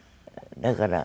だから。